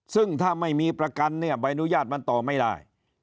ซึ่งถ้าไม่มีประกันเนี่ยใบอนุญาตมันต่อไม่ได้